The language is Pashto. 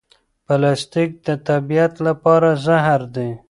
پلاستیک د طبیعت لپاره زهر دی.